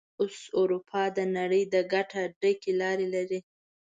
اوس اروپا د نړۍ د ګټه ډکې لارې لري.